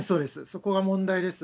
そこが問題です。